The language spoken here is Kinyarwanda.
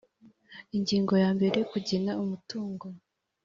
ingingo ya mbere kugena umutungo